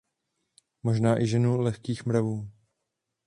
Možná i ženu lehkých mravů.